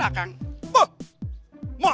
sama kamar belakang